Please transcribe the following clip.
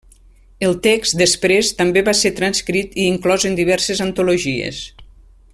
El text, després, també va ser transcrit i inclòs en diverses antologies.